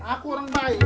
aku orang baik